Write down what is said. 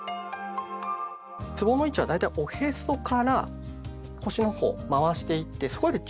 つぼの位置は大体おへそから腰のほう回していってそこよりちょっと上辺り。